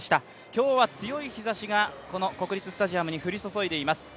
今日は強い日ざしがこの国立スタジアムに降り注いでいます。